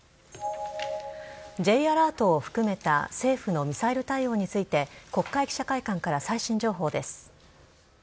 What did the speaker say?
Ｊアラートを含めた政府のミサイル対応について国会記者会館から最新情報です。